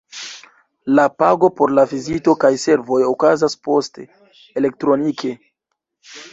La pago por la vizito kaj servoj okazas poste, elektronike.